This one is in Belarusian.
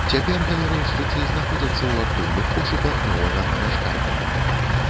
Цяпер галерэйшчыцы знаходзяцца ў актыўных пошуках новага памяшкання.